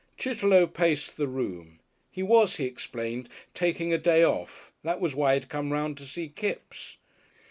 Chitterlow paced the room. He was, he explained, taking a day off; that was why he had come around to see Kipps.